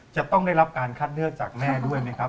จะต้องได้รับการคัดเลือกจากแม่ด้วยไหมครับ